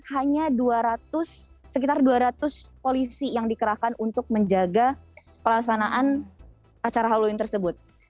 hanya sekitar dua ratus polisi yang dikerahkan untuk menjaga pelaksanaan acara halloween tersebut